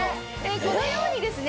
このようにですね